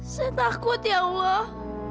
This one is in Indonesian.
saya takut ya allah